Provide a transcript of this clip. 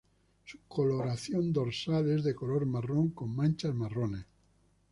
Su coloración dorsal es de color marrón con manchas marrones.